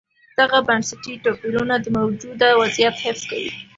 دغه بنسټي توپیرونه د موجوده وضعیت حفظ کوي.